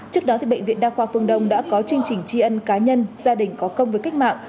trước đó bệnh viện đa khoa phương đông đã có chương trình tri ân cá nhân gia đình có công với cách mạng